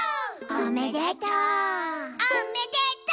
「おめでとう！」